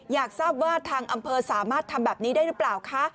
อยากทราบว่าทางอำเภอสามารถทำแบบนี้ได้หรือเปล่าคะ